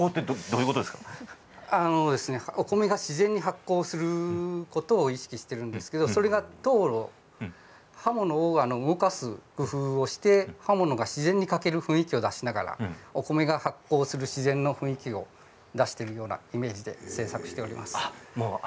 お米が自然に発酵することを意識してるんですけれどそれが刃物を動かす工夫をして自然に欠ける雰囲気を出しながらお米が自然に発酵する雰囲気を出すように製作しています。